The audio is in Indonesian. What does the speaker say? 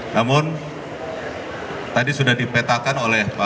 namun tadi sudah dipetakan oleh pak